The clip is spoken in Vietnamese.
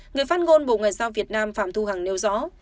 người phát ngôn bộ ngoại giao việt nam phạm thu hằng nêu rõ